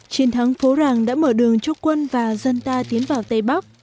chiến thắng phố ràng đã mở đường cho quân và dân ta tiến vào tây bắc